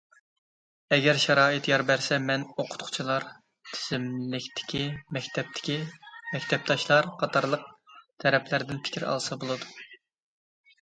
ئەگەر شارائىت يار بەرسە، بەزى ئوقۇتقۇچىلار، تىزىملىكتىكى مەكتەپتىكى مەكتەپداشلار قاتارلىق تەرەپلەردىن پىكىر ئالسا بولىدۇ.